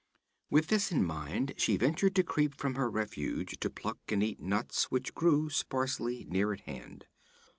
With this in mind she ventured to creep from her refuge to pluck and eat nuts which grew sparsely near at hand.